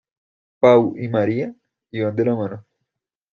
Pau y María iban de la mano.